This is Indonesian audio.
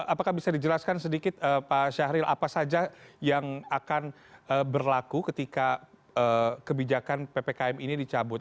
apakah bisa dijelaskan sedikit pak syahril apa saja yang akan berlaku ketika kebijakan ppkm ini dicabut